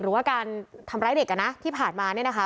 หรือว่าการทำร้ายเด็กที่ผ่านมาเนี่ยนะคะ